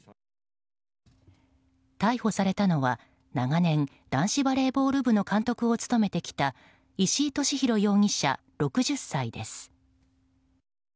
逮捕されたのは長年、男子バレーボール部の監督を務めてきた石井利広容疑者、６０歳です。